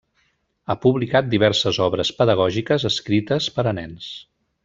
Ha publicat diverses obres pedagògiques escrites per a nens.